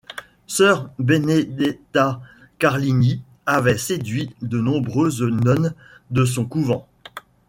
Sœur Benedetta Carlini avait séduit de nombreuses nonnes de son couvent.